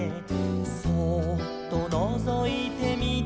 「そうっとのぞいてみてました」